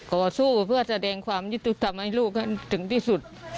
ขอสู้เพื่อแสดงความยุติธรรมให้ลูกให้ถึงที่สุด